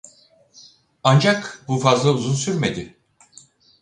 Ancak bu fazla uzun sürmedi.